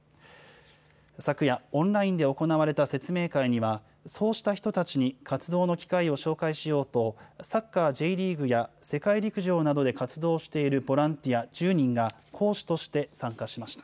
昨夜、オンラインで行われた説明会には、そうした人たちに活動の機会を紹介しようと、サッカー・Ｊリーグや、世界陸上などで活動しているボランティア１０人が講師として参加しました。